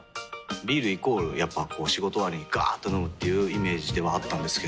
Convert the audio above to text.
ビールイコールやっぱこう仕事終わりにガーっと飲むっていうイメージではあったんですけど。